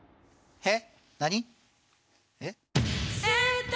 えっ？